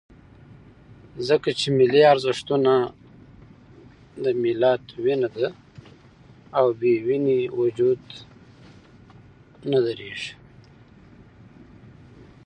ځکه چې ملي ارزښتونه د ملت وینه ده، او بې وینې وجود نه درېږي.